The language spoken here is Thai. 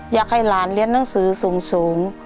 อยากให้หลานเรียนหนังสือสูง